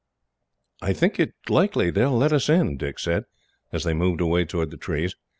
"I think it likely they will let us in," Dick said, as they moved away towards the trees.